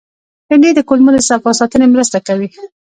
بېنډۍ د کولمو د صفا ساتنې مرسته کوي